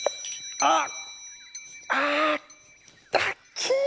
あっ！